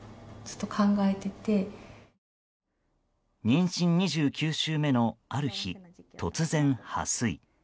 妊娠２９週目のある日突然、破水。